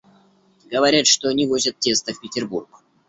Говорят, что они возят тесто в Петербург.